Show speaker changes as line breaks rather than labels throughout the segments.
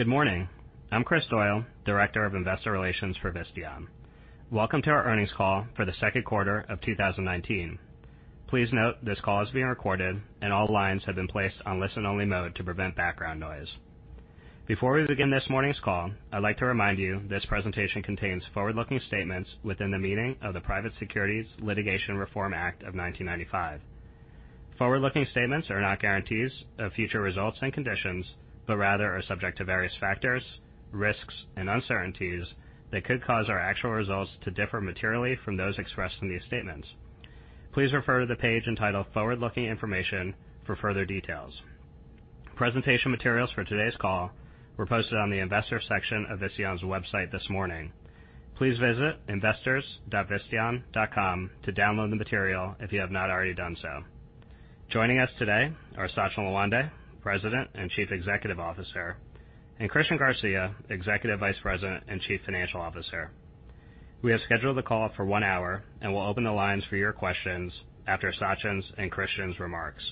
Good morning. I'm Kris Doyle, Director of Investor Relations for Visteon. Welcome to our earnings call for the second quarter of 2019. Please note this call is being recorded, and all lines have been placed on listen-only mode to prevent background noise. Before we begin this morning's call, I'd like to remind you this presentation contains forward-looking statements within the meaning of the Private Securities Litigation Reform Act of 1995. Forward-looking statements are not guarantees of future results and conditions, but rather are subject to various factors, risks, and uncertainties that could cause our actual results to differ materially from those expressed in these statements. Please refer to the page entitled Forward-Looking Information for further details. Presentation materials for today's call were posted on the investors section of Visteon's website this morning. Please visit investors.visteon.com to download the material if you have not already done so. Joining us today are Sachin Lawande, President and Chief Executive Officer, and Christian Garcia, Executive Vice President and Chief Financial Officer. We have scheduled the call for one hour and will open the lines for your questions after Sachin's and Christian's remarks.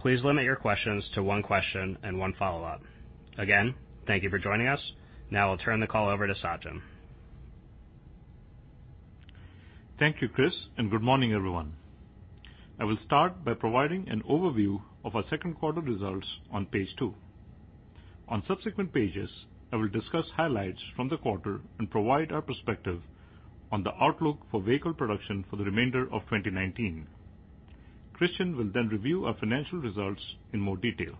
Please limit your questions to one question and one follow-up. Again, thank you for joining us. Now I'll turn the call over to Sachin.
Thank you, Kris. Good morning, everyone. I will start by providing an overview of our second quarter results on page two. On subsequent pages, I will discuss highlights from the quarter and provide our perspective on the outlook for vehicle production for the remainder of 2019. Christian will review our financial results in more detail.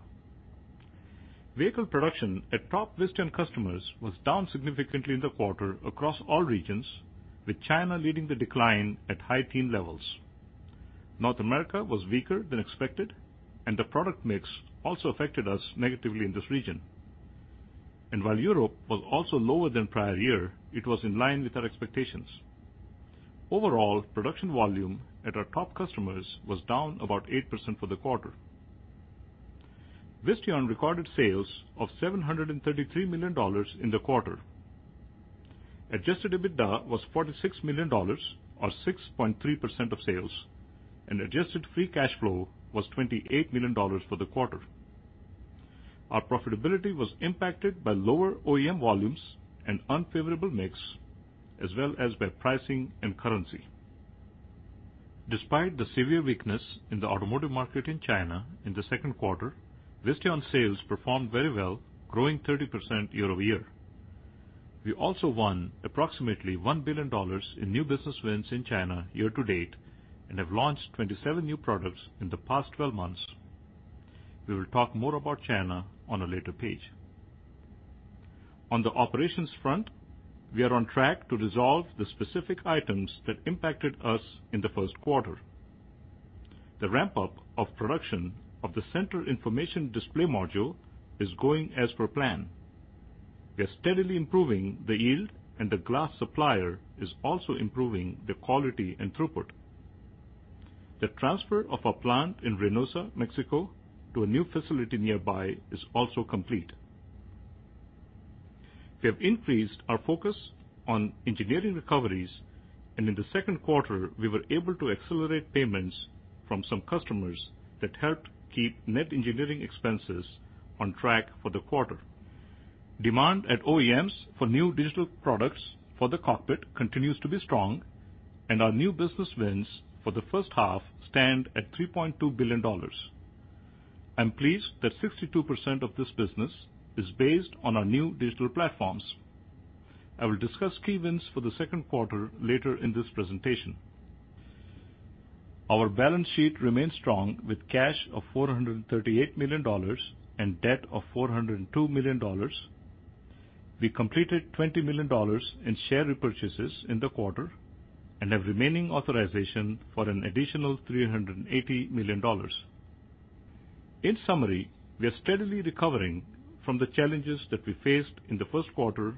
Vehicle production at top Visteon customers was down significantly in the quarter across all regions, with China leading the decline at high teen levels. North America was weaker than expected. The product mix also affected us negatively in this region. While Europe was also lower than prior year, it was in line with our expectations. Overall, production volume at our top customers was down about 8% for the quarter. Visteon recorded sales of $733 million in the quarter. Adjusted EBITDA was $46 million, or 6.3% of sales, and adjusted free cash flow was $28 million for the quarter. Our profitability was impacted by lower OEM volumes and unfavorable mix, as well as by pricing and currency. Despite the severe weakness in the automotive market in China in the second quarter, Visteon sales performed very well, growing 30% year-over-year. We also won approximately $1 billion in new business wins in China year to date and have launched 27 new products in the past 12 months. We will talk more about China on a later page. On the operations front, we are on track to resolve the specific items that impacted us in the first quarter. The ramp-up of production of the center information display module is going as per plan. We are steadily improving the yield, and the glass supplier is also improving the quality and throughput. The transfer of our plant in Reynosa, Mexico, to a new facility nearby is also complete. In the second quarter, we were able to accelerate payments from some customers that helped keep net engineering expenses on track for the quarter. Demand at OEMs for new digital products for the cockpit continues to be strong. Our new business wins for the first half stand at $3.2 billion. I'm pleased that 62% of this business is based on our new digital platforms. I will discuss key wins for the second quarter later in this presentation. Our balance sheet remains strong with cash of $438 million and debt of $402 million. We completed $20 million in share repurchases in the quarter and have remaining authorization for an additional $380 million. In summary, we are steadily recovering from the challenges that we faced in the first quarter,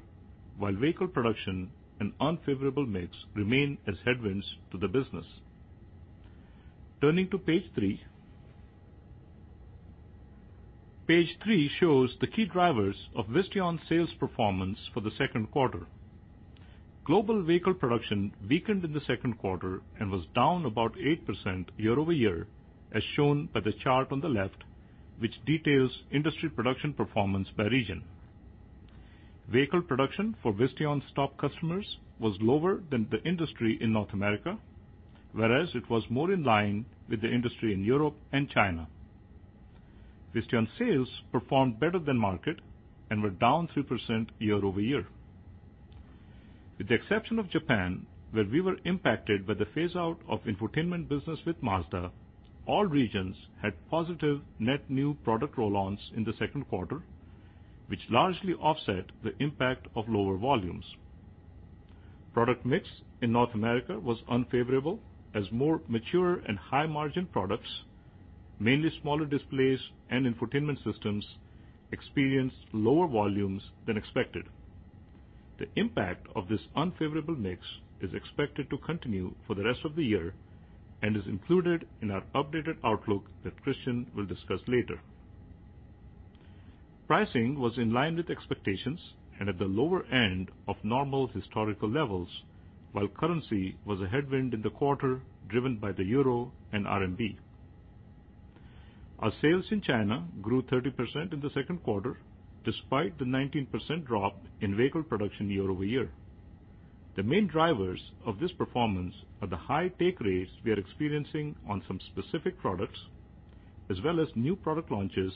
while vehicle production and unfavorable mix remain as headwinds to the business. Turning to page three. Page three shows the key drivers of Visteon's sales performance for the second quarter. Global vehicle production weakened in the second quarter and was down about 8% year-over-year, as shown by the chart on the left, which details industry production performance by region. Vehicle production for Visteon's top customers was lower than the industry in North America, whereas it was more in line with the industry in Europe and China. Visteon sales performed better than market and were down 3% year-over-year. With the exception of Japan, where we were impacted by the phase-out of infotainment business with Mazda, all regions had positive net new product roll-ons in the second quarter, which largely offset the impact of lower volumes. Product mix in North America was unfavorable, as more mature and high-margin products, mainly smaller displays and infotainment systems, experienced lower volumes than expected. The impact of this unfavorable mix is expected to continue for the rest of the year and is included in our updated outlook that Christian will discuss later. Pricing was in line with expectations and at the lower end of normal historical levels, while currency was a headwind in the quarter, driven by the euro and RMB. Our sales in China grew 30% in the second quarter, despite the 19% drop in vehicle production year-over-year. The main drivers of this performance are the high take rates we are experiencing on some specific products, as well as new product launches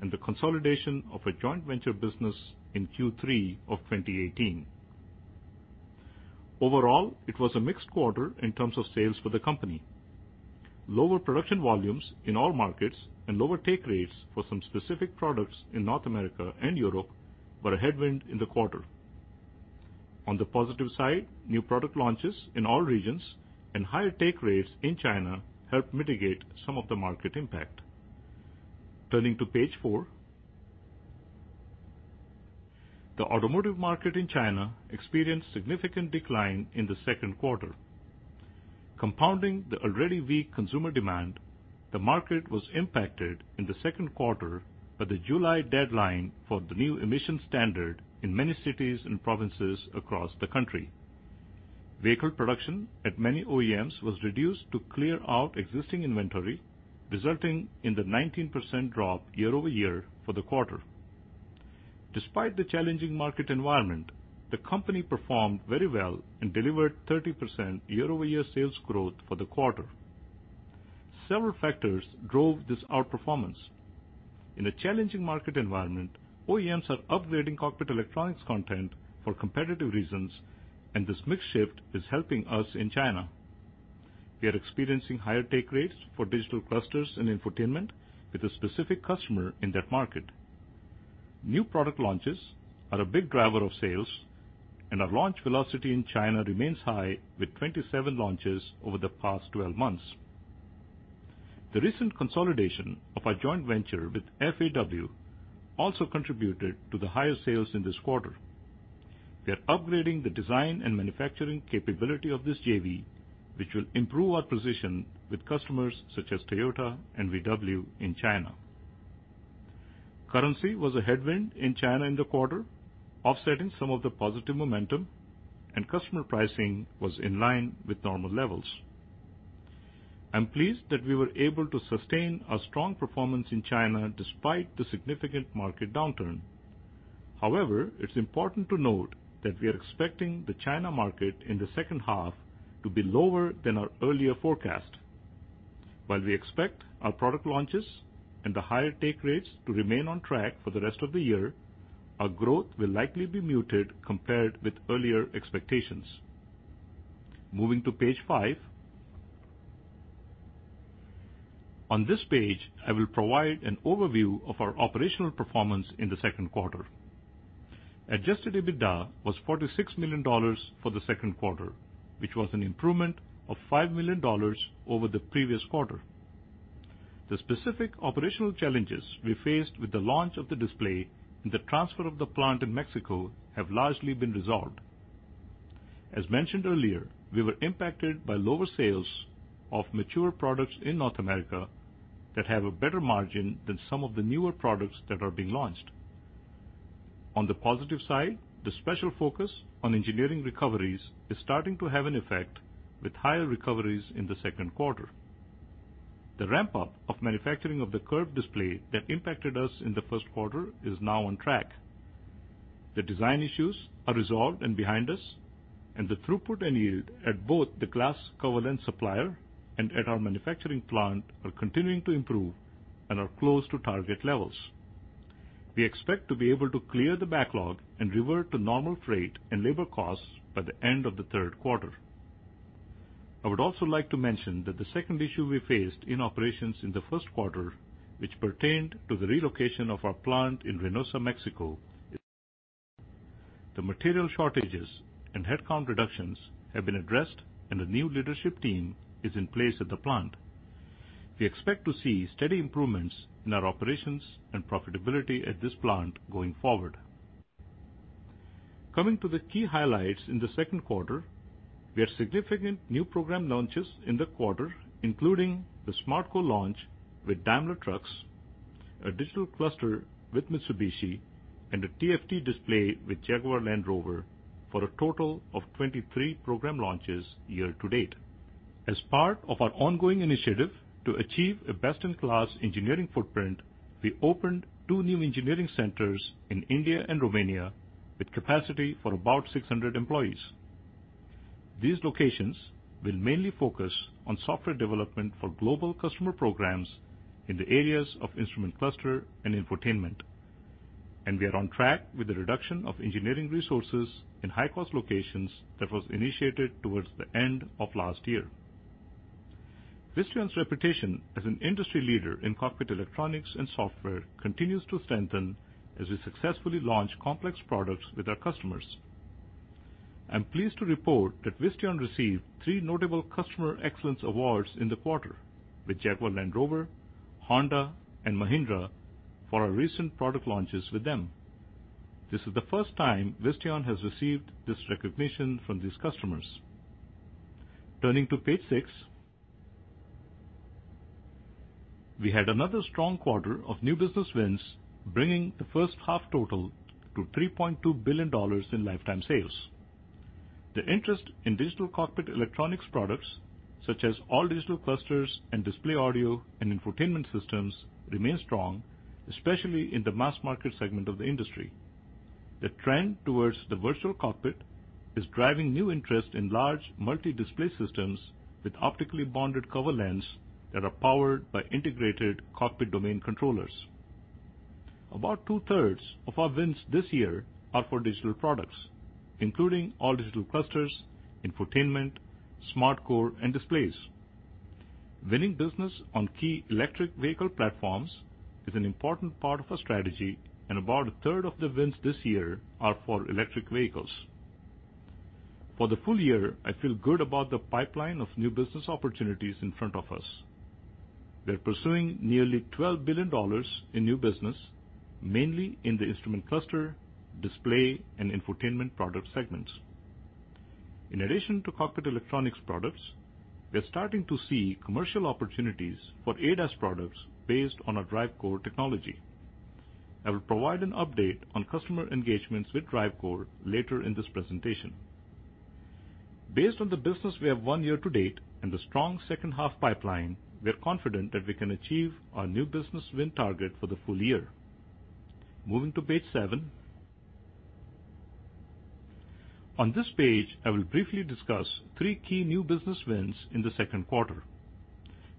and the consolidation of a joint venture business in Q3 of 2018. Overall, it was a mixed quarter in terms of sales for the company. Lower production volumes in all markets and lower take rates for some specific products in North America and Europe were a headwind in the quarter. On the positive side, new product launches in all regions and higher take rates in China helped mitigate some of the market impact. Turning to page four. The automotive market in China experienced significant decline in the second quarter. Compounding the already weak consumer demand, the market was impacted in the second quarter by the July deadline for the new emission standard in many cities and provinces across the country. Vehicle production at many OEMs was reduced to clear out existing inventory, resulting in the 19% drop year-over-year for the quarter. Despite the challenging market environment, the company performed very well and delivered 30% year-over-year sales growth for the quarter. Several factors drove this outperformance. In a challenging market environment, OEMs are upgrading cockpit electronics content for competitive reasons, and this mix shift is helping us in China. We are experiencing higher take rates for digital clusters and infotainment with a specific customer in that market. New product launches are a big driver of sales, and our launch velocity in China remains high with 27 launches over the past 12 months. The recent consolidation of our joint venture with FAW also contributed to the higher sales in this quarter. We are upgrading the design and manufacturing capability of this JV, which will improve our position with customers such as Toyota and VW in China. Currency was a headwind in China in the quarter, offsetting some of the positive momentum, and customer pricing was in line with normal levels. I'm pleased that we were able to sustain our strong performance in China despite the significant market downturn. However, it's important to note that we are expecting the China market in the second half to be lower than our earlier forecast. While we expect our product launches and the higher take rates to remain on track for the rest of the year, our growth will likely be muted compared with earlier expectations. Moving to page five. On this page, I will provide an overview of our operational performance in the second quarter. Adjusted EBITDA was $46 million for the second quarter, which was an improvement of $5 million over the previous quarter. The specific operational challenges we faced with the launch of the display and the transfer of the plant in Mexico have largely been resolved. As mentioned earlier, we were impacted by lower sales of mature products in North America that have a better margin than some of the newer products that are being launched. On the positive side, the special focus on engineering recoveries is starting to have an effect, with higher recoveries in the second quarter. The ramp-up of manufacturing of the curved display that impacted us in the first quarter is now on track. The design issues are resolved and behind us, and the throughput and yield at both the glass cover lens supplier and at our manufacturing plant are continuing to improve and are close to target levels. We expect to be able to clear the backlog and revert to normal freight and labor costs by the end of the third quarter. I would also like to mention that the second issue we faced in operations in the first quarter, which pertained to the relocation of our plant in Reynosa, Mexico. The material shortages and headcount reductions have been addressed, and a new leadership team is in place at the plant. We expect to see steady improvements in our operations and profitability at this plant going forward. Coming to the key highlights in the second quarter, we had significant new program launches in the quarter, including the SmartCore launch with Daimler Trucks, a digital cluster with Mitsubishi, and a TFT display with Jaguar Land Rover, for a total of 23 program launches year to date. As part of our ongoing initiative to achieve a best-in-class engineering footprint, we opened two new engineering centers in India and Romania with capacity for about 600 employees. These locations will mainly focus on software development for global customer programs in the areas of instrument cluster and infotainment. We are on track with the reduction of engineering resources in high-cost locations that was initiated towards the end of last year. Visteon's reputation as an industry leader in cockpit electronics and software continues to strengthen as we successfully launch complex products with our customers. I'm pleased to report that Visteon received three notable customer excellence awards in the quarter with Jaguar Land Rover, Honda, and Mahindra for our recent product launches with them. This is the first time Visteon has received this recognition from these customers. Turning to page six. We had another strong quarter of new business wins, bringing the first half total to $3.2 billion in lifetime sales. The interest in digital cockpit electronics products, such as all-digital clusters and display audio and infotainment systems, remain strong, especially in the mass market segment of the industry. The trend towards the virtual cockpit is driving new interest in large multi-display systems with optically bonded cover lens that are powered by integrated cockpit domain controllers. About two-thirds of our wins this year are for digital products, including all-digital clusters, infotainment, SmartCore, and displays. Winning business on key electric vehicle platforms is an important part of our strategy, and about a third of the wins this year are for electric vehicles. For the full year, I feel good about the pipeline of new business opportunities in front of us. We are pursuing nearly $12 billion in new business, mainly in the instrument cluster, display, and infotainment product segments. In addition to cockpit electronics products, we are starting to see commercial opportunities for ADAS products based on our DriveCore technology. I will provide an update on customer engagements with DriveCore later in this presentation. Based on the business we have won year to date and the strong second half pipeline, we are confident that we can achieve our new business win target for the full year. Moving to page seven. On this page, I will briefly discuss three key new business wins in the second quarter.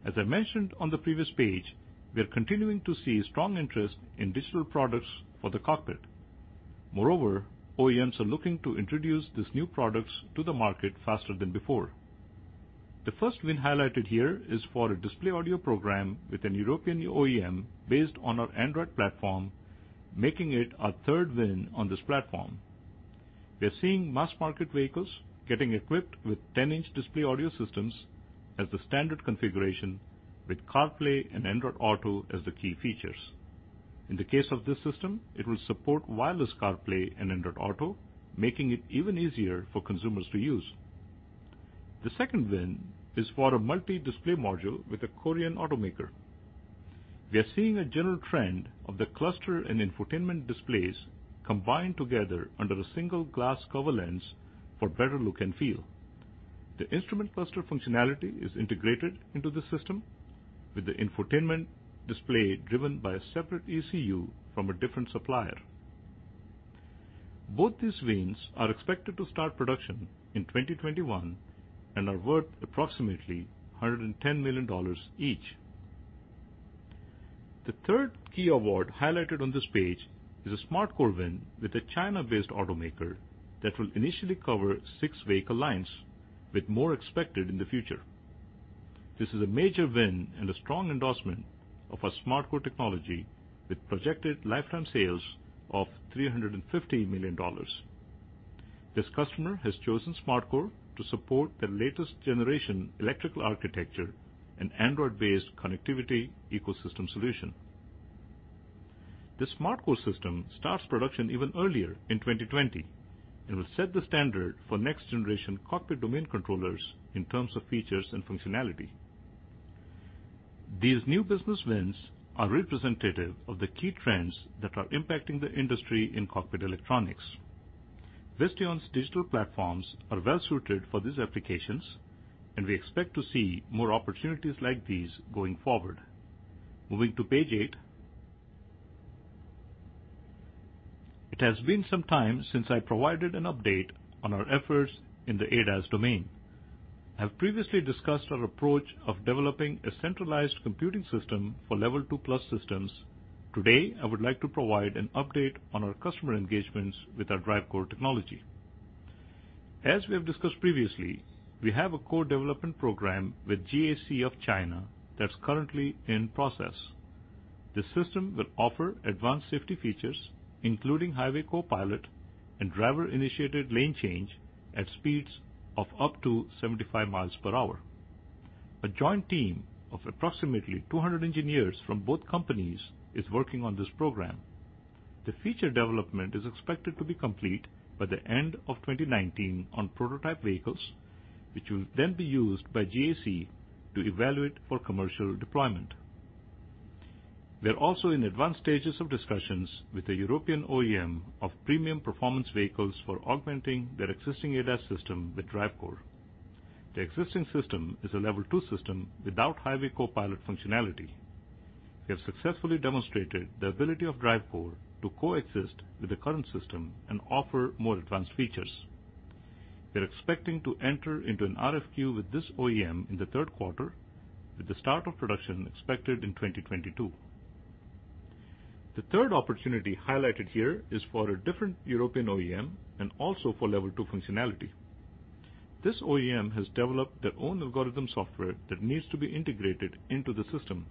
As I mentioned on the previous page, we are continuing to see strong interest in digital products for the cockpit. OEMs are looking to introduce these new products to the market faster than before. The first win highlighted here is for a display audio program with an European OEM based on our Android platform, making it our third win on this platform. We are seeing mass-market vehicles getting equipped with 10-inch display audio systems as the standard configuration with CarPlay and Android Auto as the key features. In the case of this system, it will support wireless CarPlay and Android Auto, making it even easier for consumers to use. The second win is for a multi-display module with a Korean automaker. We are seeing a general trend of the cluster and infotainment displays combined together under a single glass cover lens for better look and feel. The instrument cluster functionality is integrated into the system with the infotainment display driven by a separate ECU from a different supplier. Both these wins are expected to start production in 2021 and are worth approximately $110 million each. The third key award highlighted on this page is a SmartCore win with a China-based automaker that will initially cover six vehicle lines, with more expected in the future. This is a major win and a strong endorsement of our SmartCore technology with projected lifetime sales of $350 million. This customer has chosen SmartCore to support their latest generation electrical architecture and Android-based connectivity ecosystem solution. The SmartCore system starts production even earlier in 2020. It will set the standard for next generation cockpit domain controllers in terms of features and functionality. These new business wins are representative of the key trends that are impacting the industry in cockpit electronics. Visteon's digital platforms are well suited for these applications, and we expect to see more opportunities like these going forward. Moving to page eight. It has been some time since I provided an update on our efforts in the ADAS domain. I have previously discussed our approach of developing a centralized computing system for Level 2+ systems. Today, I would like to provide an update on our customer engagements with our DriveCore technology. As we have discussed previously, we have a co-development program with GAC of China that's currently in process. This system will offer advanced safety features, including highway co-pilot and driver-initiated lane change at speeds of up to 75 miles per hour. A joint team of approximately 200 engineers from both companies is working on this program. The feature development is expected to be complete by the end of 2019 on prototype vehicles, which will then be used by GAC to evaluate for commercial deployment. We are also in advanced stages of discussions with a European OEM of premium performance vehicles for augmenting their existing ADAS system with DriveCore. The existing system is a Level 2 system without highway co-pilot functionality. We have successfully demonstrated the ability of DriveCore to coexist with the current system and offer more advanced features. We are expecting to enter into an RFQ with this OEM in the third quarter, with the start of production expected in 2022. The third opportunity highlighted here is for a different European OEM and also for Level 2 functionality. This OEM has developed their own algorithm software that needs to be integrated into the system.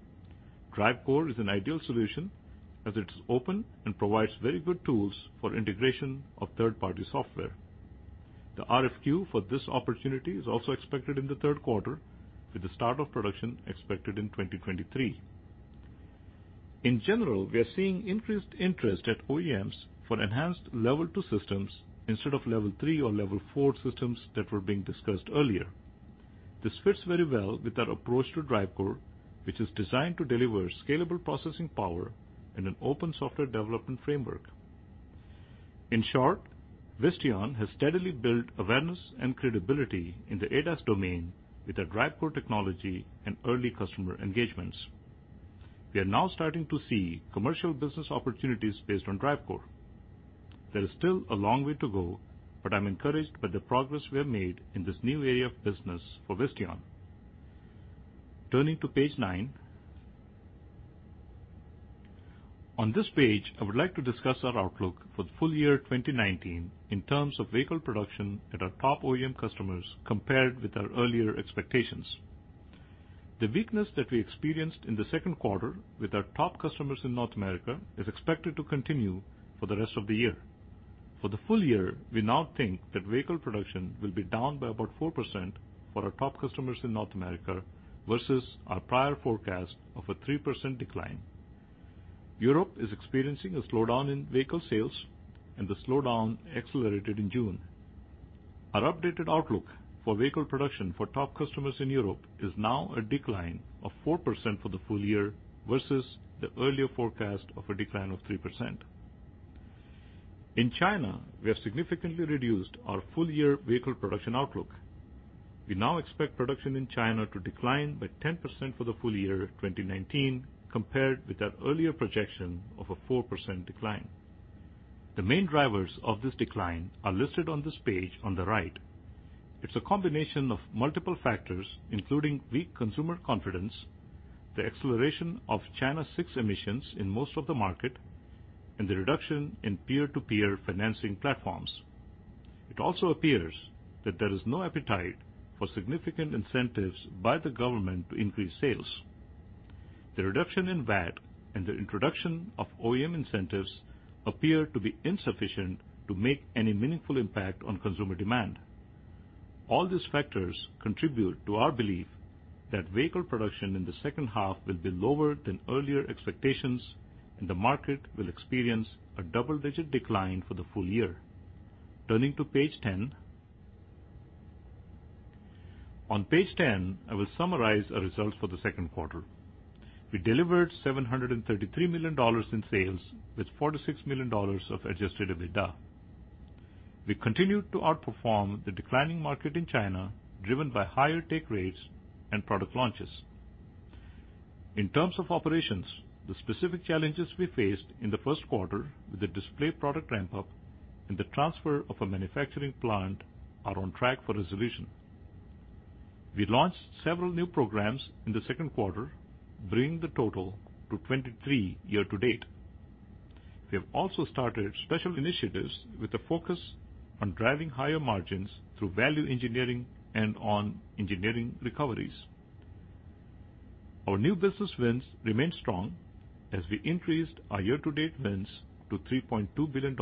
DriveCore is an ideal solution as it is open and provides very good tools for integration of third-party software. The RFQ for this opportunity is also expected in the third quarter, with the start of production expected in 2023. In general, we are seeing increased interest at OEMs for enhanced Level 2 systems instead of Level 3 or Level 4 systems that were being discussed earlier. This fits very well with our approach to DriveCore, which is designed to deliver scalable processing power in an open software development framework. In short, Visteon has steadily built awareness and credibility in the ADAS domain with our DriveCore technology and early customer engagements. We are now starting to see commercial business opportunities based on DriveCore. There is still a long way to go, but I'm encouraged by the progress we have made in this new area of business for Visteon. Turning to page nine. On this page, I would like to discuss our outlook for the full year 2019 in terms of vehicle production at our top OEM customers compared with our earlier expectations. The weakness that we experienced in the second quarter with our top customers in North America is expected to continue for the rest of the year. For the full year, we now think that vehicle production will be down by about 4% for our top customers in North America versus our prior forecast of a 3% decline. Europe is experiencing a slowdown in vehicle sales, and the slowdown accelerated in June. Our updated outlook for vehicle production for top customers in Europe is now a decline of 4% for the full year versus the earlier forecast of a decline of 3%. In China, we have significantly reduced our full year vehicle production outlook. We now expect production in China to decline by 10% for the full year 2019, compared with our earlier projection of a 4% decline. The main drivers of this decline are listed on this page on the right. It's a combination of multiple factors, including weak consumer confidence, the acceleration of China 6 emissions in most of the market, and the reduction in peer-to-peer financing platforms. It also appears that there is no appetite for significant incentives by the government to increase sales. The reduction in VAT and the introduction of OEM incentives appear to be insufficient to make any meaningful impact on consumer demand. All these factors contribute to our belief that vehicle production in the second half will be lower than earlier expectations, and the market will experience a double-digit decline for the full year. Turning to page 10. On page 10, I will summarize our results for the second quarter. We delivered $733 million in sales with $46 million of adjusted EBITDA. We continued to outperform the declining market in China, driven by higher take rates and product launches. In terms of operations, the specific challenges we faced in the first quarter with the display product ramp-up and the transfer of a manufacturing plant are on track for resolution. We launched several new programs in the second quarter, bringing the total to 23 year-to-date. We have also started special initiatives with a focus on driving higher margins through value engineering and on engineering recoveries. Our new business wins remain strong as we increased our year-to-date wins to $3.2 billion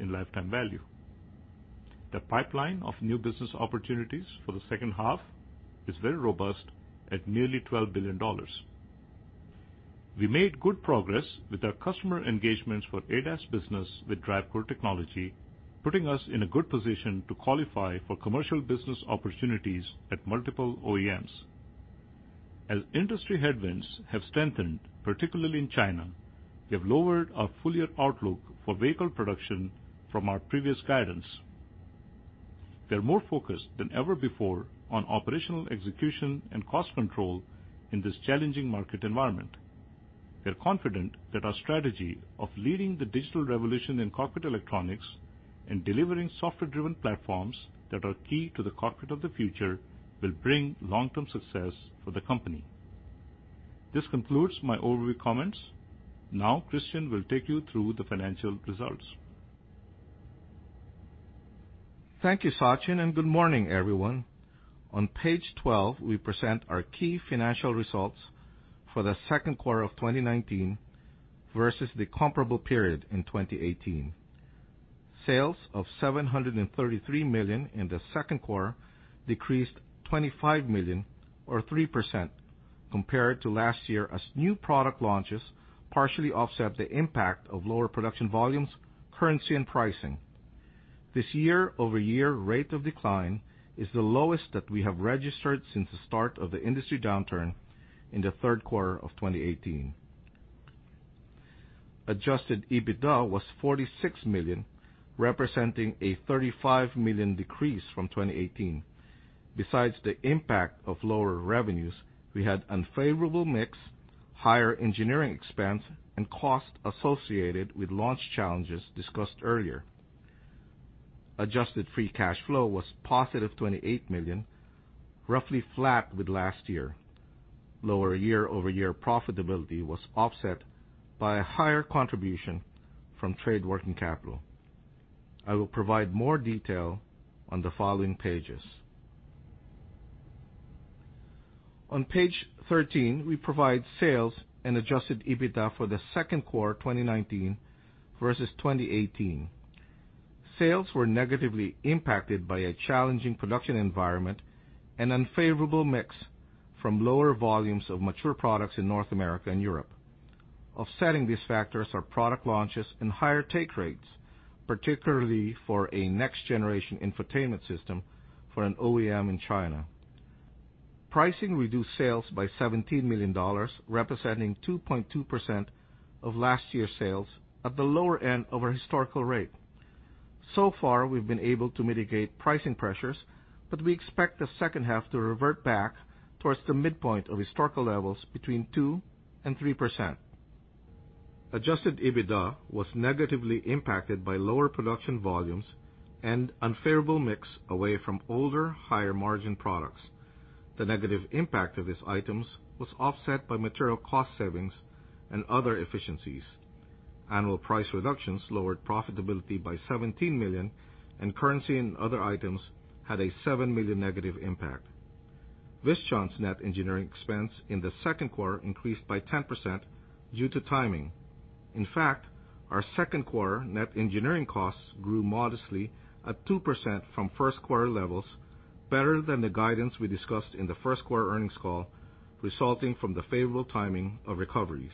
in lifetime value. The pipeline of new business opportunities for the second half is very robust at nearly $12 billion. We made good progress with our customer engagements for ADAS business with DriveCore technology, putting us in a good position to qualify for commercial business opportunities at multiple OEMs. As industry headwinds have strengthened, particularly in China, we have lowered our full-year outlook for vehicle production from our previous guidance. We are more focused than ever before on operational execution and cost control in this challenging market environment. We are confident that our strategy of leading the digital revolution in cockpit electronics and delivering software-driven platforms that are key to the cockpit of the future will bring long-term success for the company. This concludes my overview comments. Now Christian will take you through the financial results.
Thank you, Sachin, and good morning, everyone. On page 12, we present our key financial results for the second quarter of 2019 versus the comparable period in 2018. Sales of $733 million in the second quarter decreased $25 million or 3% compared to last year as new product launches partially offset the impact of lower production volumes, currency, and pricing. This year-over-year rate of decline is the lowest that we have registered since the start of the industry downturn in the third quarter of 2018. Adjusted EBITDA was $46 million, representing a $35 million decrease from 2018. Besides the impact of lower revenues, we had unfavorable mix, higher engineering expense, and cost associated with launch challenges discussed earlier. Adjusted free cash flow was positive $28 million, roughly flat with last year. Lower year-over-year profitability was offset by a higher contribution from trade working capital. I will provide more detail on the following pages. On page 13, we provide sales and adjusted EBITDA for the second quarter 2019 versus 2018. Sales were negatively impacted by a challenging production environment and unfavorable mix from lower volumes of mature products in North America and Europe. Offsetting these factors are product launches and higher take rates, particularly for a next-generation infotainment system for an OEM in China. Pricing reduced sales by $17 million, representing 2.2% of last year's sales at the lower end of our historical rate. So far, we've been able to mitigate pricing pressures, but we expect the second half to revert back towards the midpoint of historical levels between 2% and 3%. Adjusted EBITDA was negatively impacted by lower production volumes and unfavorable mix away from older, higher-margin products. The negative impact of these items was offset by material cost savings and other efficiencies. Annual price reductions lowered profitability by $17 million, currency and other items had a $7 million negative impact. Visteon's net engineering expense in the second quarter increased by 10% due to timing. In fact, our second quarter net engineering costs grew modestly at 2% from first quarter levels, better than the guidance we discussed in the first quarter earnings call, resulting from the favorable timing of recoveries.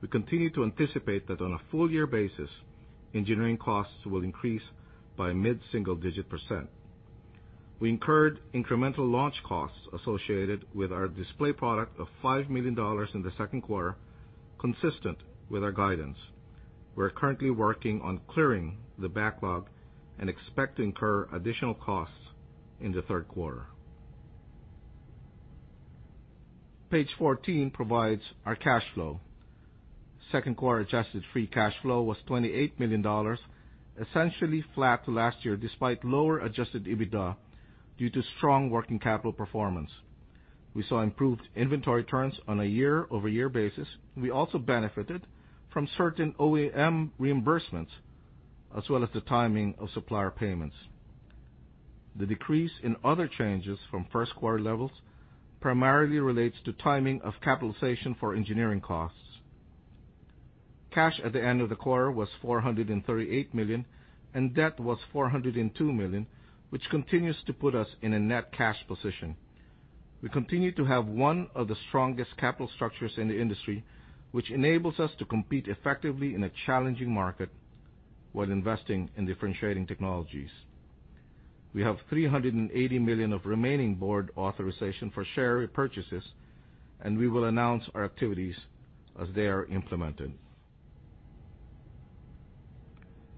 We continue to anticipate that on a full year basis, engineering costs will increase by mid-single digit %. We incurred incremental launch costs associated with our display product of $5 million in the second quarter, consistent with our guidance. We're currently working on clearing the backlog and expect to incur additional costs in the third quarter. Page 14 provides our cash flow. Second quarter adjusted free cash flow was $28 million, essentially flat to last year despite lower adjusted EBITDA due to strong working capital performance. We saw improved inventory turns on a year-over-year basis. We also benefited from certain OEM reimbursements as well as the timing of supplier payments. The decrease in other changes from first quarter levels primarily relates to timing of capitalization for engineering costs. Cash at the end of the quarter was $438 million, and debt was $402 million, which continues to put us in a net cash position. We continue to have one of the strongest capital structures in the industry, which enables us to compete effectively in a challenging market while investing in differentiating technologies. We have $380 million of remaining board authorization for share repurchases, and we will announce our activities as they are implemented.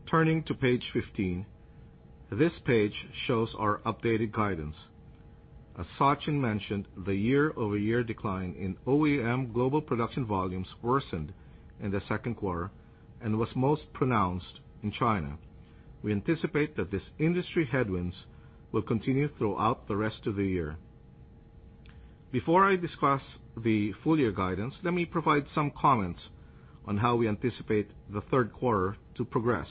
Turning to page 15, this page shows our updated guidance. As Sachin mentioned, the year-over-year decline in OEM global production volumes worsened in the second quarter and was most pronounced in China. We anticipate that these industry headwinds will continue throughout the rest of the year. Before I discuss the full year guidance, let me provide some comments on how we anticipate the third quarter to progress.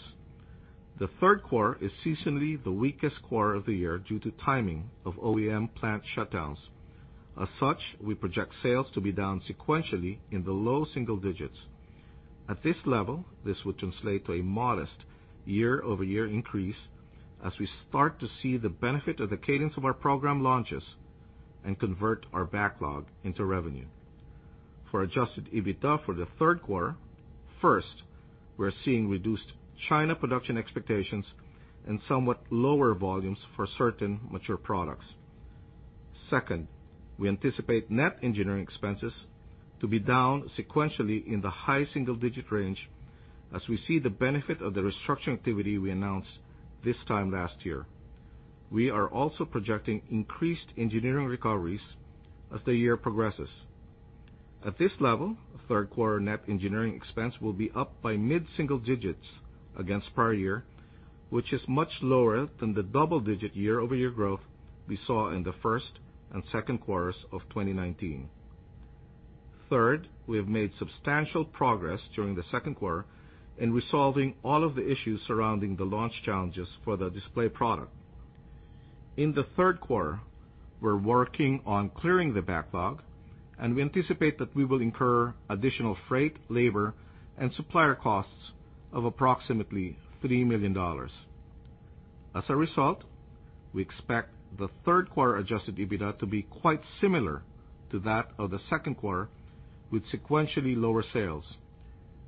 The third quarter is seasonally the weakest quarter of the year due to timing of OEM plant shutdowns. As such, we project sales to be down sequentially in the low single digits. At this level, this would translate to a modest year-over-year increase as we start to see the benefit of the cadence of our program launches and convert our backlog into revenue. For adjusted EBITDA for the third quarter, first, we are seeing reduced China production expectations and somewhat lower volumes for certain mature products. We anticipate net engineering expenses to be down sequentially in the high single-digit range as we see the benefit of the restructuring activity we announced this time last year. We are also projecting increased engineering recoveries as the year progresses. At this level, third quarter net engineering expense will be up by mid-single digits against prior year, which is much lower than the double-digit year-over-year growth we saw in the first and second quarters of 2019. We have made substantial progress during the second quarter in resolving all of the issues surrounding the launch challenges for the display product. In the third quarter, we're working on clearing the backlog, and we anticipate that we will incur additional freight, labor, and supplier costs of approximately $3 million. As a result, we expect the third quarter adjusted EBITDA to be quite similar to that of the second quarter with sequentially lower sales.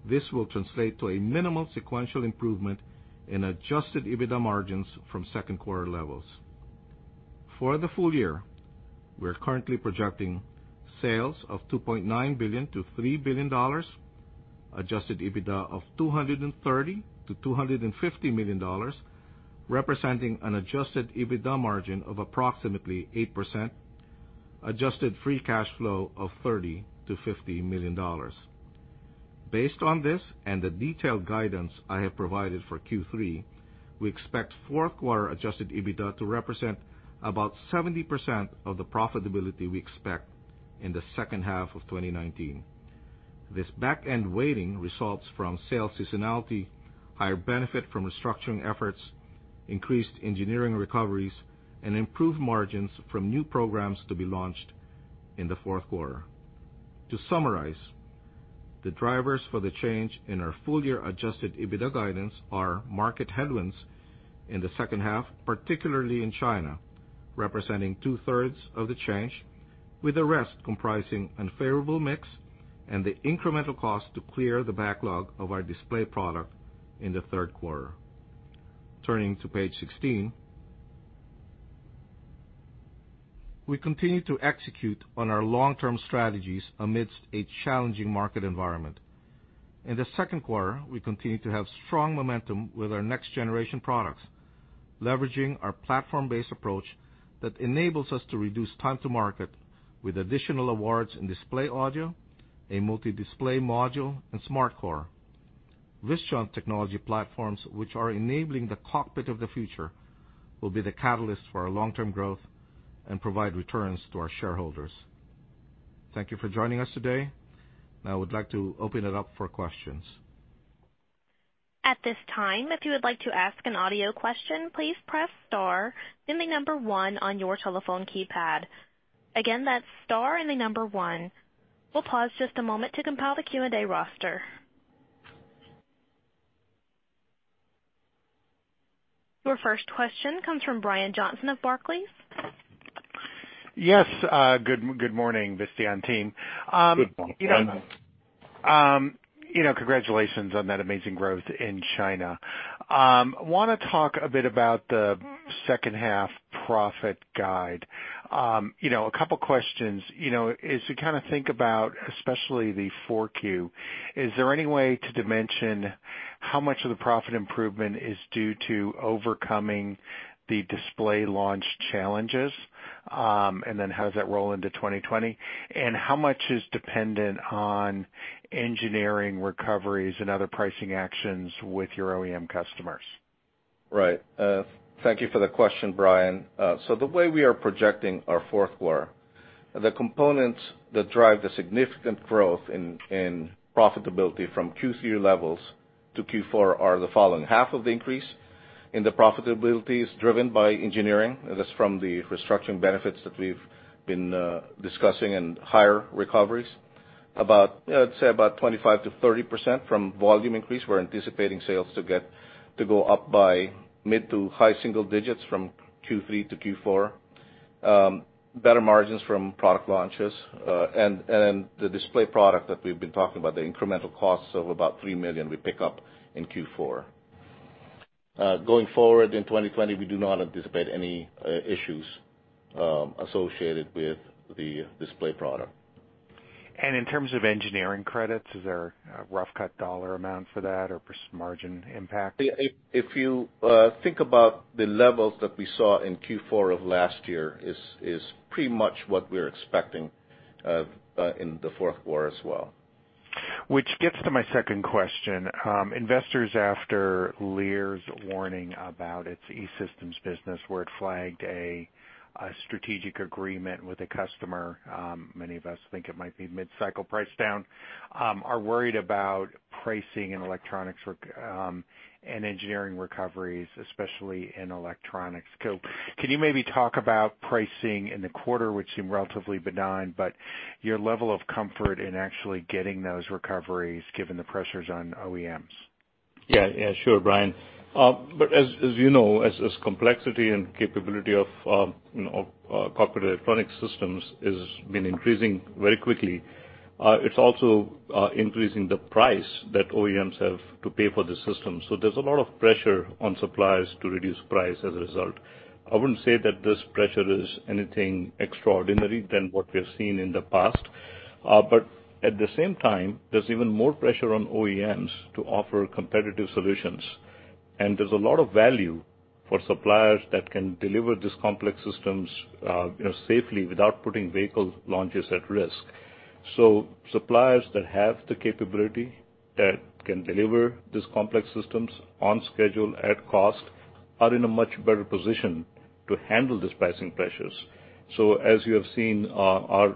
This will translate to a minimal sequential improvement in adjusted EBITDA margins from second quarter levels. For the full year, we're currently projecting sales of $2.9 billion-$3 billion, adjusted EBITDA of $230 million-$250 million, representing an adjusted EBITDA margin of approximately 8%, adjusted free cash flow of $30 million-$50 million. Based on this and the detailed guidance I have provided for Q3, we expect fourth quarter adjusted EBITDA to represent about 70% of the profitability we expect in the second half of 2019. This back-end weighting results from sales seasonality, higher benefit from restructuring efforts, increased engineering recoveries, and improved margins from new programs to be launched in the fourth quarter. To summarize, the drivers for the change in our full year adjusted EBITDA guidance are market headwinds in the second half, particularly in China. Representing two-thirds of the change, with the rest comprising unfavorable mix and the incremental cost to clear the backlog of our display product in the third quarter. Turning to page 16. We continue to execute on our long-term strategies amidst a challenging market environment. In the second quarter, we continued to have strong momentum with our next-generation products, leveraging our platform-based approach that enables us to reduce time to market with additional awards in display audio, a multi-display module, and SmartCore. Visteon technology platforms, which are enabling the cockpit of the future, will be the catalyst for our long-term growth and provide returns to our shareholders. Thank you for joining us today. Now, I would like to open it up for questions.
At this time, if you would like to ask an audio question, please press star then the number one on your telephone keypad. Again, that's star and the number one. We'll pause just a moment to compile the Q&A roster. Your first question comes from Brian Johnson of Barclays.
Yes. Good morning, Visteon team.
Good morning.
Congratulations on that amazing growth in China. Want to talk a bit about the second half profit guide. A couple questions, as we think about especially the 4Q, is there any way to dimension how much of the profit improvement is due to overcoming the display launch challenges? How does that roll into 2020? How much is dependent on engineering recoveries and other pricing actions with your OEM customers?
Thank you for the question, Brian. The way we are projecting our fourth quarter, the components that drive the significant growth in profitability from Q3 levels to Q4 are the following. Half of the increase in the profitability is driven by engineering. That's from the restructuring benefits that we've been discussing and higher recoveries. I'd say about 25%-30% from volume increase. We're anticipating sales to go up by mid to high single digits from Q3 to Q4. Better margins from product launches. The display product that we've been talking about, the incremental costs of about $3 million we pick up in Q4. Going forward in 2020, we do not anticipate any issues associated with the display product.
In terms of engineering credits, is there a rough cut dollar amount for that or margin impact?
If you think about the levels that we saw in Q4 of last year is pretty much what we're expecting in the fourth quarter as well.
Which gets to my second question. Investors after Lear's warning about its eSystems business, where it flagged a strategic agreement with a customer, many of us think it might be mid-cycle price down, are worried about pricing and engineering recoveries, especially in electronics. Can you maybe talk about pricing in the quarter, which seemed relatively benign, but your level of comfort in actually getting those recoveries given the pressures on OEMs?
Sure, Brian. As you know, as complexity and capability of cockpit electronic systems has been increasing very quickly, it's also increasing the price that OEMs have to pay for the system. There's a lot of pressure on suppliers to reduce price as a result. I wouldn't say that this pressure is anything extraordinary than what we've seen in the past. At the same time, there's even more pressure on OEMs to offer competitive solutions. There's a lot of value for suppliers that can deliver these complex systems safely without putting vehicle launches at risk. Suppliers that have the capability that can deliver these complex systems on schedule, at cost, are in a much better position to handle these pricing pressures. As you have seen our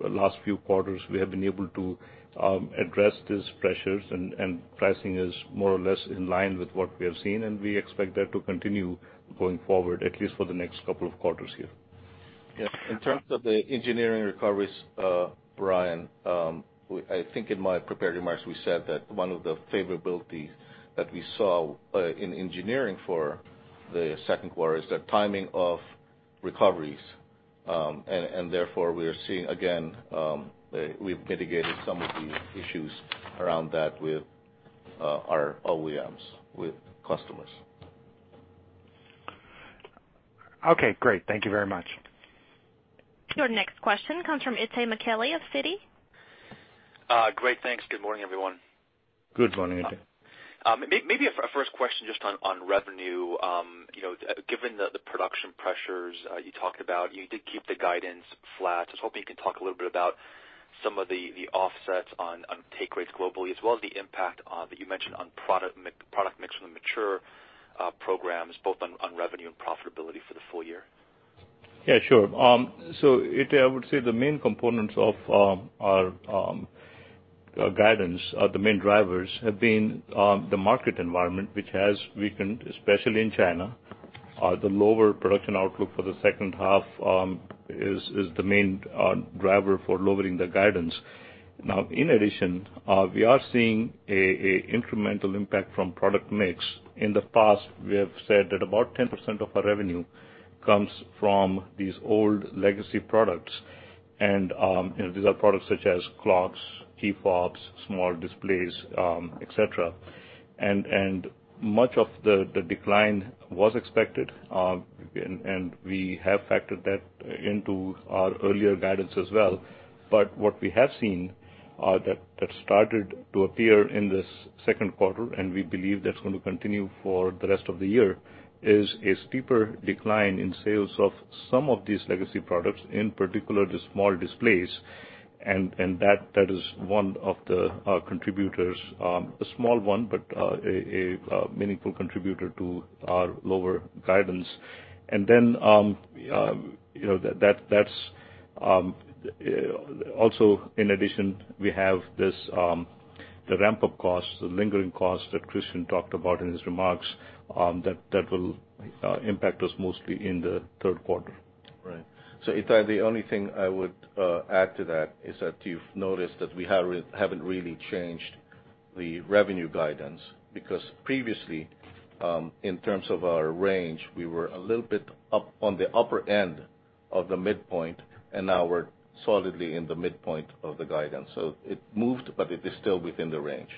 last few quarters, we have been able to address these pressures, and pricing is more or less in line with what we have seen, and we expect that to continue going forward, at least for the next couple of quarters here. Yeah. In terms of the engineering recoveries, Brian, I think in my prepared remarks, we said that one of the favorabilities that we saw in engineering for the second quarter is the timing of recoveries. Therefore, we are seeing, again, we've mitigated some of the issues around that with our OEMs, with customers.
Okay, great. Thank you very much.
Your next question comes from Itay Michaeli of Citi.
Great. Thanks. Good morning, everyone.
Good morning, Itay.
Maybe a first question just on revenue. Given the production pressures you talked about, you did keep the guidance flat. I was hoping you could talk a little bit about some of the offsets on take rates globally as well as the impact that you mentioned on product mix from the mature programs, both on revenue and profitability for the full year.
Yeah, sure. Itay, I would say the main components of our guidance, the main drivers, have been the market environment, which has weakened, especially in China. The lower production outlook for the second half is the main driver for lowering the guidance.
In addition, we are seeing an incremental impact from product mix. In the past, we have said that about 10% of our revenue comes from these old legacy products, and these are products such as clocks, key fobs, small displays, et cetera. Much of the decline was expected, and we have factored that into our earlier guidance as well. What we have seen that started to appear in this second quarter, and we believe that's going to continue for the rest of the year, is a steeper decline in sales of some of these legacy products, in particular, the small displays. That is one of the contributors, a small one, but a meaningful contributor to our lower guidance. Also in addition, we have the ramp-up cost, the lingering cost that Christian talked about in his remarks, that will impact us mostly in the third quarter.
Right. Itay, the only thing I would add to that is that you've noticed that we haven't really changed the revenue guidance because previously, in terms of our range, we were a little bit up on the upper end of the midpoint, and now we're solidly in the midpoint of the guidance. It moved, it is still within the range.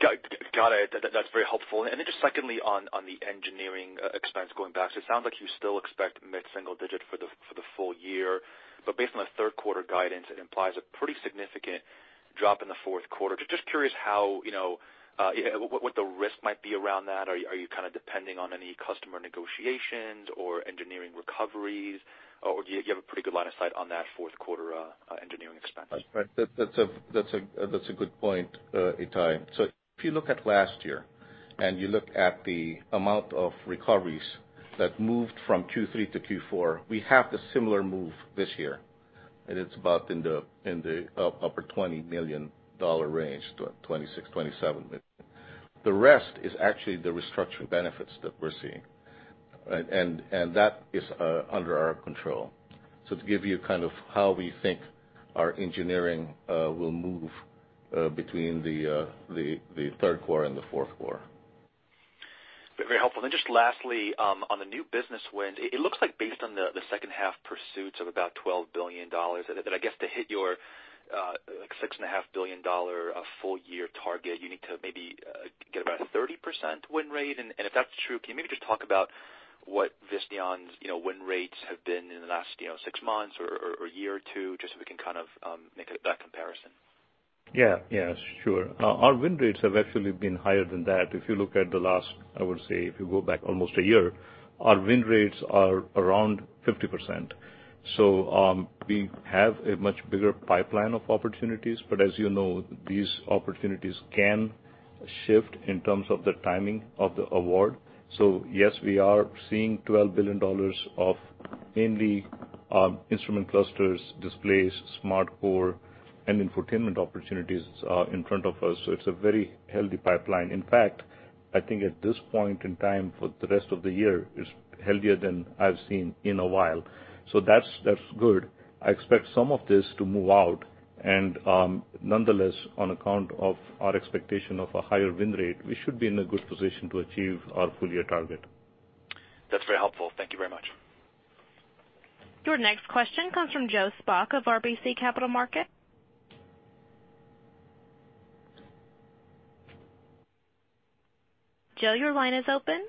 Got it. That's very helpful. Then just secondly on the engineering expense going back. It sounds like you still expect mid-single digit for the full year, but based on the third quarter guidance, it implies a pretty significant drop in the fourth quarter. Just curious what the risk might be around that. Are you kind of depending on any customer negotiations or engineering recoveries, or do you have a pretty good line of sight on that fourth quarter engineering expense?
That's a good point, Itay. If you look at last year and you look at the amount of recoveries that moved from Q3 to Q4, we have the similar move this year, and it's about in the upper $20 million range, $26 million, $27 million. The rest is actually the restructuring benefits that we're seeing. That is under our control. To give you kind of how we think our engineering will move between the third quarter and the fourth quarter.
Very helpful. Lastly, on the new business wins, it looks like based on the second half pursuits of about $12 billion, that I guess to hit your $6.5 billion full-year target, you need to maybe get about a 30% win rate? If that's true, can you maybe just talk about what Visteon's win rates have been in the last six months or year or two, just so we can kind of make that comparison?
Yeah. Sure. Our win rates have actually been higher than that. If you look at the last, I would say if you go back almost a year, our win rates are around 50%. We have a much bigger pipeline of opportunities, but as you know, these opportunities can shift in terms of the timing of the award. Yes, we are seeing $12 billion of mainly instrument clusters, displays, SmartCore, and infotainment opportunities in front of us. It's a very healthy pipeline. In fact, I think at this point in time for the rest of the year, it's healthier than I've seen in a while. That's good. I expect some of this to move out and, nonetheless, on account of our expectation of a higher win rate, we should be in a good position to achieve our full-year target.
That's very helpful. Thank you very much.
Your next question comes from Joe Spak of RBC Capital Markets. Joe, your line is open.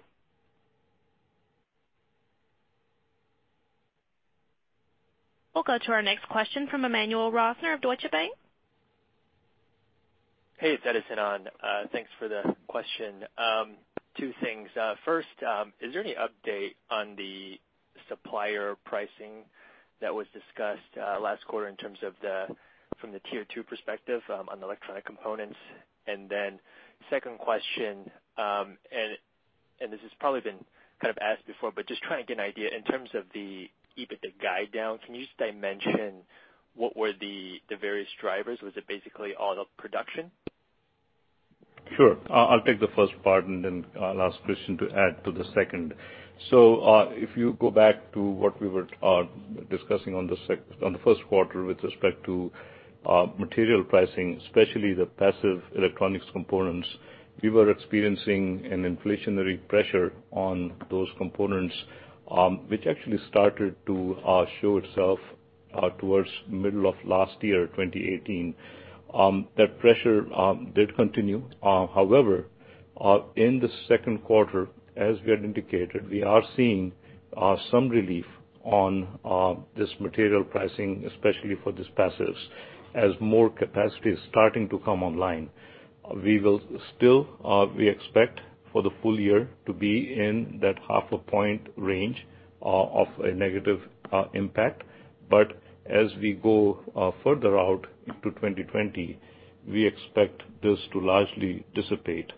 We'll go to our next question from Emmanuel Rosner of Deutsche Bank.
Hey, it's Edison on. Thanks for the question. Two things. First, is there any update on the supplier pricing that was discussed last quarter in terms of from the tier 2 perspective on electronic components? Then second question, this has probably been kind of asked before, but just trying to get an idea in terms of the EBITDA guide down, can you just dimension what were the various drivers? Was it basically all of production?
Sure. I'll take the first part and then I'll ask Christian to add to the second. If you go back to what we were discussing on the first quarter with respect to material pricing, especially the passive electronics components, we were experiencing an inflationary pressure on those components, which actually started to show itself towards middle of last year, 2018. That pressure did continue. However, in the second quarter, as we had indicated, we are seeing some relief on this material pricing, especially for these passives, as more capacity is starting to come online. Still, we expect for the full year to be in that half a point range of a negative impact, but as we go further out into 2020, we expect this to largely dissipate.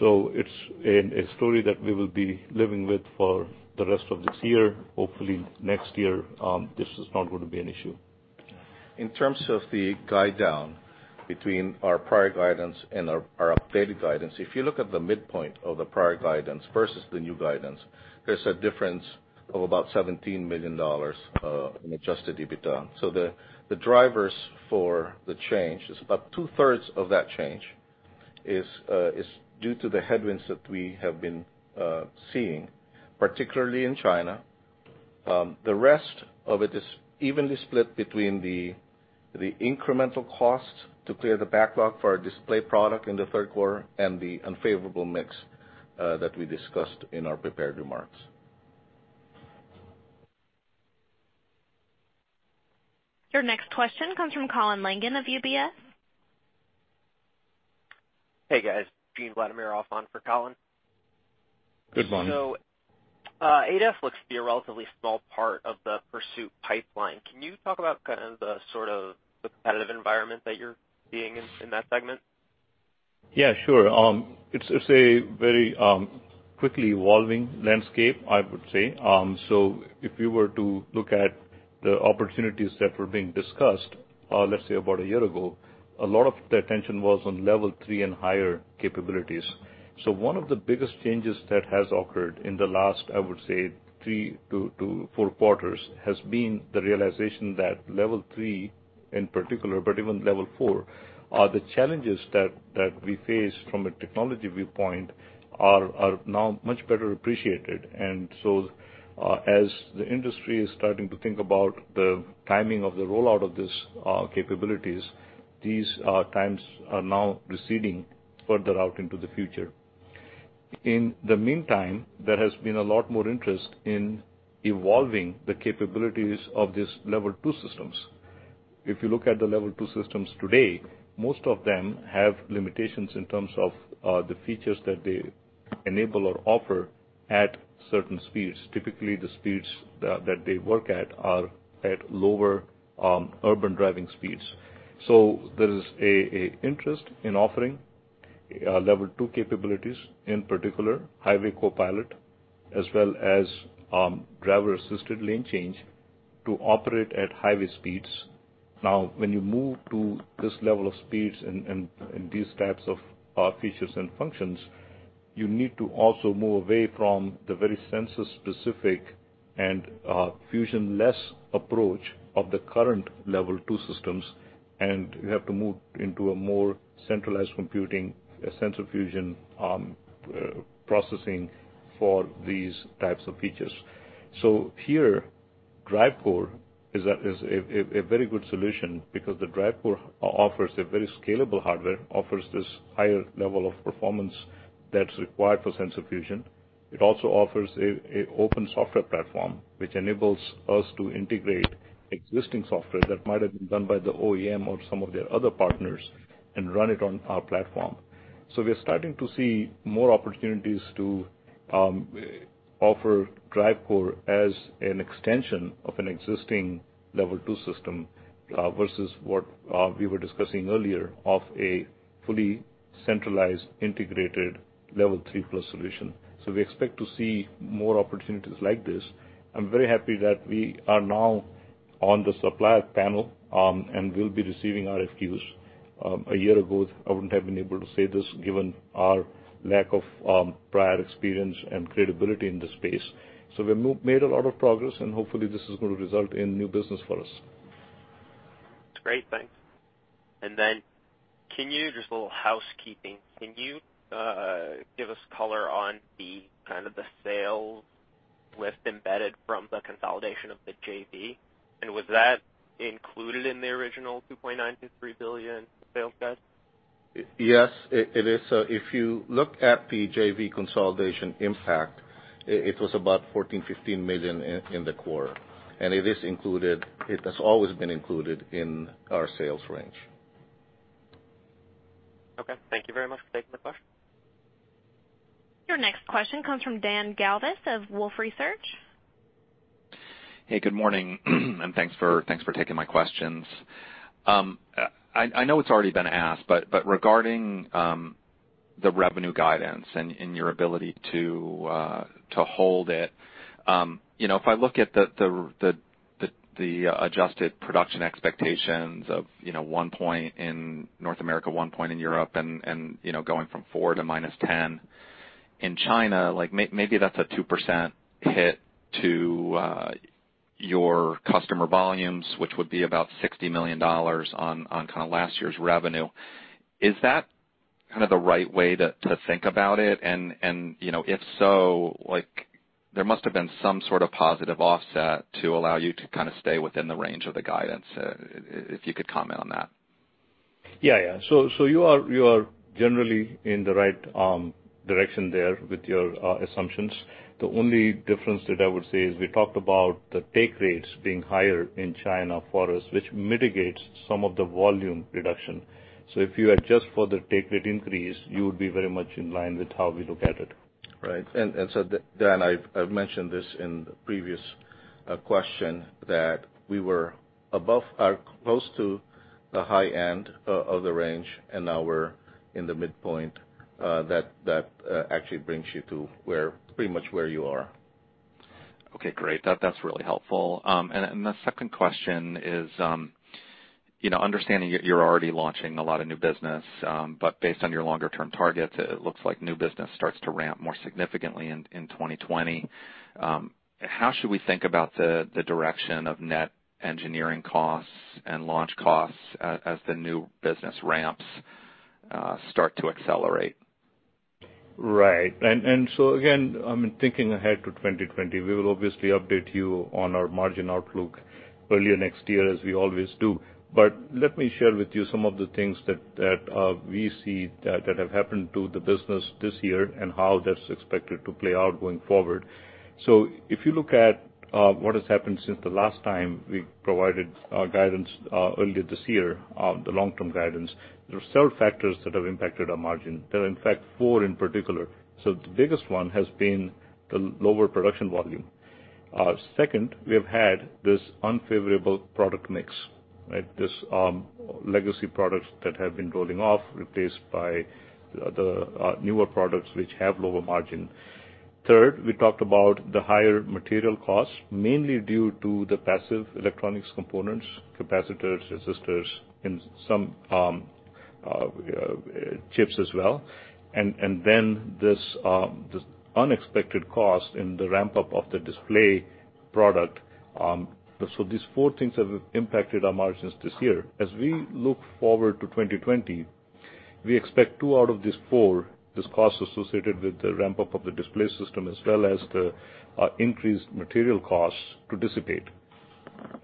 It's a story that we will be living with for the rest of this year. Hopefully next year, this is not going to be an issue.
In terms of the guide down
Between our prior guidance and our updated guidance. If you look at the midpoint of the prior guidance versus the new guidance, there's a difference of about $17 million in adjusted EBITDA. The drivers for the change is about two-thirds of that change is due to the headwinds that we have been seeing, particularly in China. The rest of it is evenly split between the incremental costs to clear the backlog for our display product in the third quarter and the unfavorable mix that we discussed in our prepared remarks.
Your next question comes from Colin Langan of UBS.
Hey, guys. Gene Vladimirov on for Colin.
Good morning.
ADAS looks to be a relatively small part of the pursuit pipeline. Can you talk about kind of the competitive environment that you're seeing in that segment?
Yeah, sure. It's a very quickly evolving landscape, I would say. If you were to look at the opportunities that were being discussed, let's say about a year ago, a lot of the attention was on Level 3 and higher capabilities. One of the biggest changes that has occurred in the last, I would say three to four quarters, has been the realization that Level 3 in particular, but even Level 4, are the challenges that we face from a technology viewpoint are now much better appreciated. As the industry is starting to think about the timing of the rollout of these capabilities, these times are now receding further out into the future. In the meantime, there has been a lot more interest in evolving the capabilities of these Level 2 systems. If you look at the Level 2 systems today, most of them have limitations in terms of the features that they enable or offer at certain speeds. Typically, the speeds that they work at are at lower urban driving speeds. There is an interest in offering Level 2 capabilities, in particular, highway copilot, as well as driver-assisted lane change to operate at highway speeds. When you move to this level of speeds and these types of features and functions, you need to also move away from the very sensor-specific and fusion-less approach of the current Level 2 systems, and you have to move into a more centralized computing sensor fusion processing for these types of features. Here, DriveCore is a very good solution because the DriveCore offers a very scalable hardware, offers this higher level of performance that's required for sensor fusion. It also offers an open software platform, which enables us to integrate existing software that might have been done by the OEM or some of their other partners and run it on our platform. We're starting to see more opportunities to offer DriveCore as an extension of an existing Level 2 system versus what we were discussing earlier of a fully centralized, integrated Level 3-plus solution. We expect to see more opportunities like this. I'm very happy that we are now on the supplier panel, and we'll be receiving RFQs. A year ago, I wouldn't have been able to say this given our lack of prior experience and credibility in this space. We made a lot of progress, and hopefully, this is going to result in new business for us.
That's great. Thanks. Then just a little housekeeping. Can you give us color on the kind of the sales lift embedded from the consolidation of the JV? Was that included in the original $2.9 billion to $3 billion sales guide?
Yes, it is. If you look at the JV consolidation impact, it was about $14 million-$15 million in the quarter, and it is included. It has always been included in our sales range.
Okay. Thank you very much for taking the question.
Your next question comes from Dan Galves of Wolfe Research.
Hey, good morning, and thanks for taking my questions. I know it's already been asked, but regarding the revenue guidance and your ability to hold it. If I look at the adjusted production expectations of one point in North America, one point in Europe, and going from four to -10 in China, like maybe that's a 2% hit to your customer volumes, which would be about $60 million on kind of last year's revenue. Is that kind of the right way to think about it? If so, there must have been some sort of positive offset to allow you to kind of stay within the range of the guidance, if you could comment on that.
Yeah. You are generally in the right direction there with your assumptions. The only difference that I would say is we talked about the take rates being higher in China for us, which mitigates some of the volume reduction. If you adjust for the take rate increase, you would be very much in line with how we look at it.
Right. Dan, I've mentioned this in the previous question that we were above or close to the high end of the range, and now we're in the midpoint, that actually brings you to pretty much where you are.
Okay, great. That's really helpful. The second question is, understanding you're already launching a lot of new business, but based on your longer-term targets, it looks like new business starts to ramp more significantly in 2020. How should we think about the direction of net engineering costs and launch costs as the new business ramps start to accelerate?
Right. Again, I'm thinking ahead to 2020. We will obviously update you on our margin outlook early next year as we always do. Let me share with you some of the things that we see that have happened to the business this year and how that's expected to play out going forward. If you look at what has happened since the last time we provided our guidance earlier this year, the long-term guidance, there are several factors that have impacted our margin. There are, in fact, four in particular. The biggest one has been the lower production volume. Second, we have had this unfavorable product mix. These legacy products that have been rolling off, replaced by the newer products which have lower margin. Third, we talked about the higher material cost, mainly due to the passive electronics components, capacitors, resistors, and some chips as well. This unexpected cost in the ramp-up of the display product. These four things have impacted our margins this year. As we look forward to 2020, we expect two out of these four, this cost associated with the ramp-up of the display system as well as the increased material costs, to dissipate.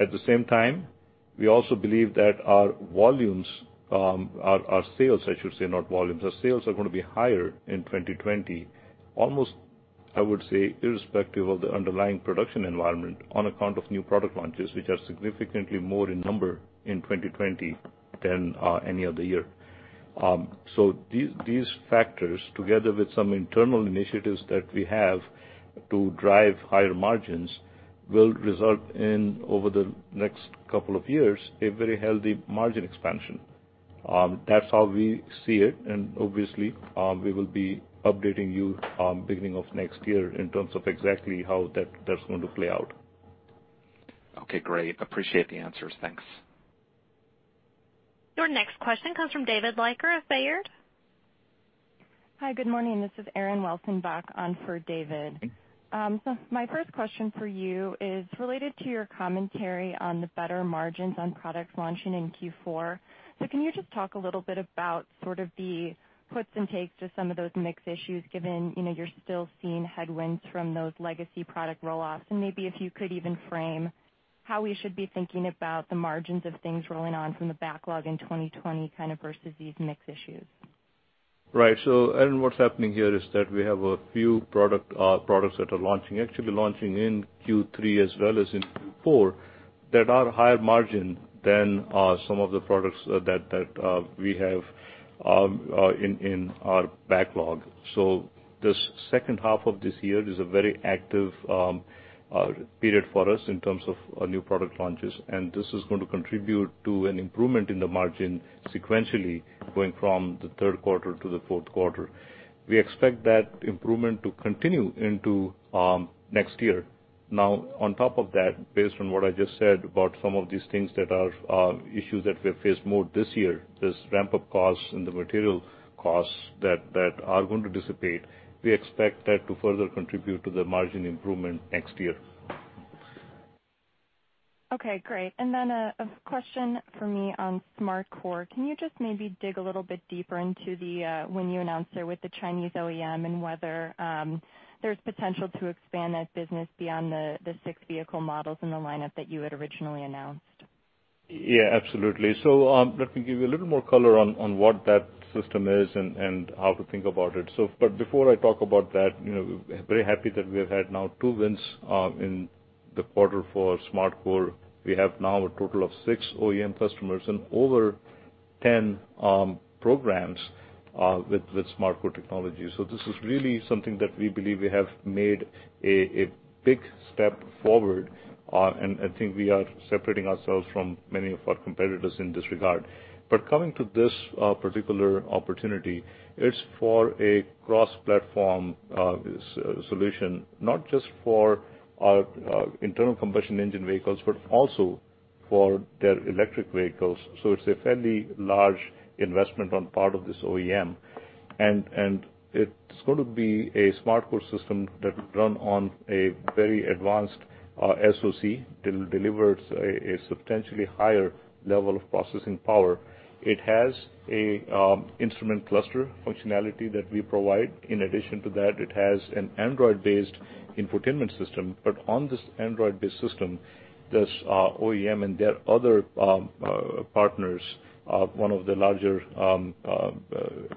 At the same time, we also believe that our sales are going to be higher in 2020, almost, I would say, irrespective of the underlying production environment on account of new product launches, which are significantly more in number in 2020 than any other year. These factors, together with some internal initiatives that we have to drive higher margins, will result in, over the next couple of years, a very healthy margin expansion. That's how we see it, and obviously, we will be updating you beginning of next year in terms of exactly how that's going to play out.
Okay, great. Appreciate the answers. Thanks.
Your next question comes from David Leiker of Baird.
Hi, good morning. This is Erin Welcenbach on for David. My first question for you is related to your commentary on the better margins on products launching in Q4. Can you just talk a little bit about sort of the puts and takes of some of those mix issues, given you're still seeing headwinds from those legacy product roll-offs? Maybe if you could even frame how we should be thinking about the margins of things rolling on from the backlog in 2020 kind of versus these mix issues.
Right. Erin, what's happening here is that we have a few products that are actually launching in Q3 as well as in Q4 that are higher margin than some of the products that we have in our backlog. This second half of this year is a very active period for us in terms of new product launches, and this is going to contribute to an improvement in the margin sequentially going from the third quarter to the fourth quarter. We expect that improvement to continue into next year. On top of that, based on what I just said about some of these things that are issues that we have faced more this year, this ramp-up costs and the material costs that are going to dissipate, we expect that to further contribute to the margin improvement next year.
Okay, great. A question for me on SmartCore. Can you just maybe dig a little bit deeper into the win you announced there with the Chinese OEM and whether there's potential to expand that business beyond the six vehicle models in the lineup that you had originally announced?
Yeah, absolutely. Let me give you a little more color on what that system is and how to think about it. Before I talk about that, very happy that we have had now two wins in the quarter for SmartCore. We have now a total of six OEM customers and over 10 programs with SmartCore technology. This is really something that we believe we have made a big step forward, and I think we are separating ourselves from many of our competitors in this regard. Coming to this particular opportunity, it's for a cross-platform solution, not just for our internal combustion engine vehicles, but also for their electric vehicles. It's a fairly large investment on part of this OEM, and it's going to be a SmartCore system that will run on a very advanced SoC that delivers a substantially higher level of processing power. It has an instrument cluster functionality that we provide. In addition to that, it has an Android-based infotainment system. But on this Android-based system, this OEM and their other partners, one of the larger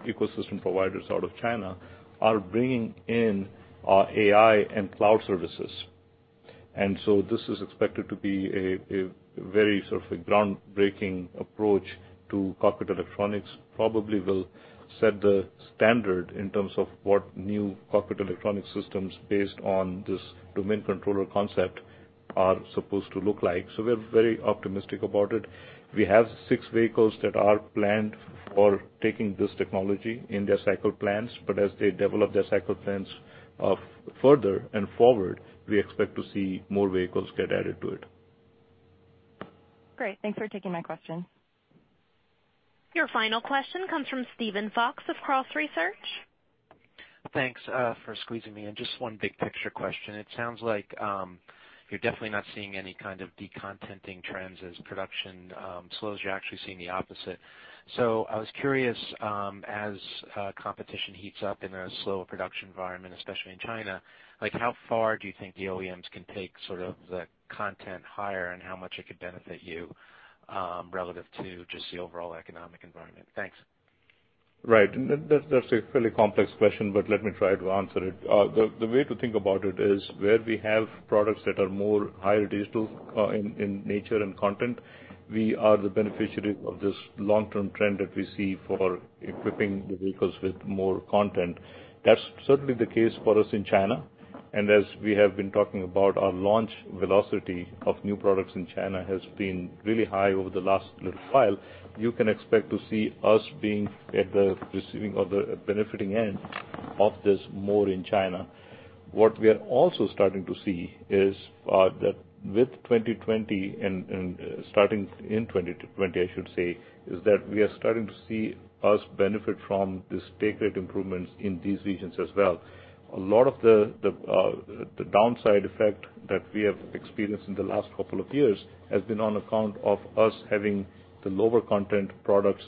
ecosystem providers out of China, are bringing in AI and cloud services. This is expected to be a very sort of a groundbreaking approach to cockpit electronics. Probably will set the standard in terms of what new cockpit electronic systems based on this cockpit domain controller concept are supposed to look like. We're very optimistic about it. We have six vehicles that are planned for taking this technology in their cycle plans, but as they develop their cycle plans further and forward, we expect to see more vehicles get added to it.
Great. Thanks for taking my question.
Your final question comes from Steven Fox of Cross Research.
Thanks, for squeezing me in. Just one big picture question. It sounds like, you're definitely not seeing any kind of de-contenting trends as production slows. You're actually seeing the opposite. I was curious, as competition heats up in a slower production environment, especially in China, how far do you think the OEMs can take the content higher and how much it could benefit you, relative to just the overall economic environment? Thanks.
Right. That's a fairly complex question, but let me try to answer it. The way to think about it is where we have products that are more higher digital in nature and content, we are the beneficiary of this long-term trend that we see for equipping the vehicles with more content. That's certainly the case for us in China. As we have been talking about our launch velocity of new products in China has been really high over the last little while. You can expect to see us being at the receiving or the benefiting end of this more in China. What we are also starting to see is that with 2020 and starting in 2020, I should say, is that we are starting to see us benefit from this take rate improvements in these regions as well. A lot of the downside effect that we have experienced in the last couple of years has been on account of us having the lower content products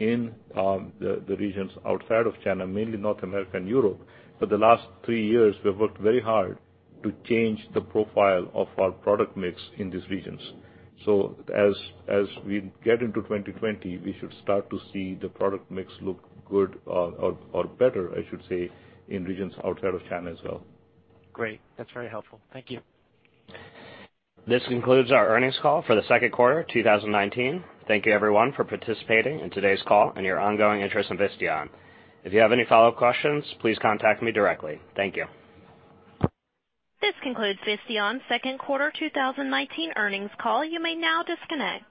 in the regions outside of China, mainly North America and Europe. For the last three years, we've worked very hard to change the profile of our product mix in these regions. As we get into 2020, we should start to see the product mix look good or better, I should say, in regions outside of China as well.
Great. That's very helpful. Thank you.
This concludes our earnings call for the second quarter 2019. Thank you everyone for participating in today's call and your ongoing interest in Visteon. If you have any follow-up questions, please contact me directly. Thank you.
This concludes Visteon's second quarter 2019 earnings call. You may now disconnect.